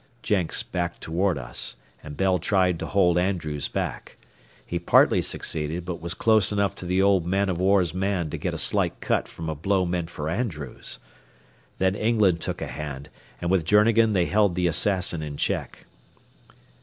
Jenks backed toward us, and Bell tried to hold Andrews back. He partly succeeded, but was close enough to the old man o' war's man to get a slight cut from a blow meant for Andrews. Then England took a hand, and with Journegan they held the assassin in check.